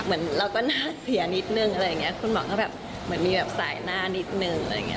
เหมือนเราก็น่าเสียนิดนึงอะไรอย่างนี้คุณหมอก็แบบเหมือนมีแบบสายหน้านิดนึงอะไรอย่างเงี้